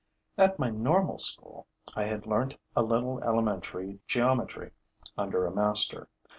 At my normal school, I had learnt a little elementary geometry under a master.